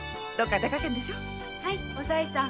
はいおさいさん。